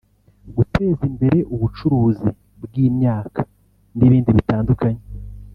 guteza imbere ubucuruzi bw’imyaka n’ibindi bitandukanye